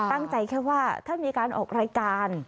ตั้งใจแค่ว่าถ้ามีการออกรายการ